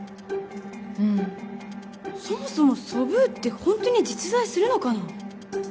うんそもそもソブーってホントに実在するのかな？